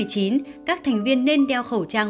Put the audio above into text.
các thành viên nên đeo khẩu trang